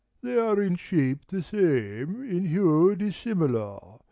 They are In shape the same : in hue dissimilar.